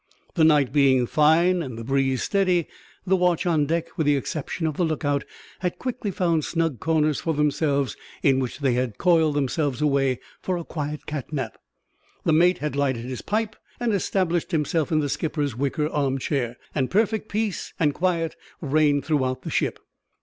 The night being fine and the breeze steady, the watch on deck, with the exception of the lookout, had quickly found snug corners for themselves, in which they had coiled themselves away for a quiet cat nap; the mate had lighted his pipe and established himself in the skipper's wicker armchair; and perfect peace and quiet reigned throughout the ship.